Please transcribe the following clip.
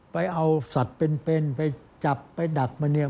ไปเอาสัตว์เป็นไปจับไปดักมันเนี่ย